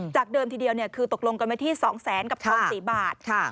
จากเดิมทีเดียวคือตกลงกันไปที่๒๐๐๐๐๐๑๔๐บาท